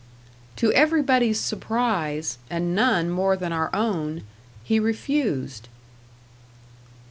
To everybody's surprise, and none more than our own, he refused.